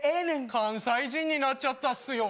関西人になっちゃったすよ。